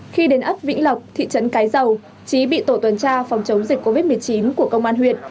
khi đến ấp vĩnh lộc thị trấn cái dầu trí bị tổ tuần tra phòng chống dịch covid một mươi chín của công an huyện